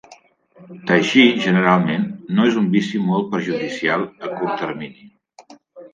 Teixir, generalment, no és un vici molt perjudicial a curt termini.